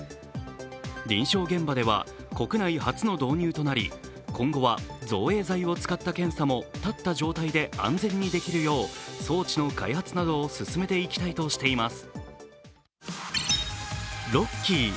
臨床現場では国内初の導入となり今後は造影剤を使った検査も立った状態で安全にできるよう装置の開発などを進めていきたいとしています